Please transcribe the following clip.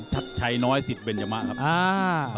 ใช้น้อยสิทธิ์เป็นยะมะครับ